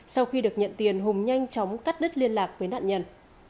sau khi được nhận tiền hùng nhanh chóng cắt đứt liên lạc với nạn nhân